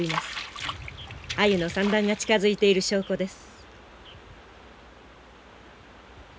アユの産卵が近づいている証拠です。